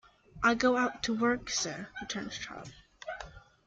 "I go out to work, sir," returns Charley.